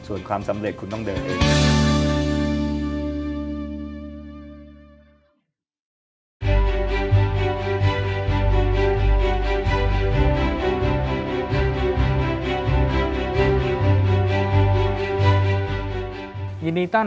ส่วนความสำเร็จคุณต้องเดินเอง